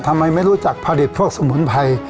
ทำไมไม่รู้จักผลิตพวกสมุนไพร